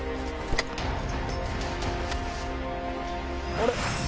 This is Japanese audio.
あれ⁉